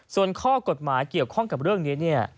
ส่วนข้อกฎหมายเกี่ยวข้องกับเรื่องนี้เนี่ย